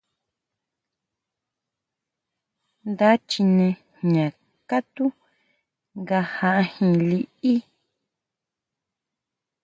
Nda chine jña katú nga jajín liʼí.